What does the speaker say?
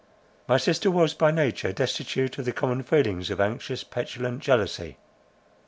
My sister was by nature destitute of the common feelings of anxious, petulant jealousy.